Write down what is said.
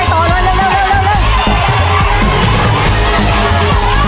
ไม่ออกครับ